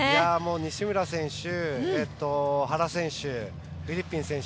西村選手、原選手フリッピン選手。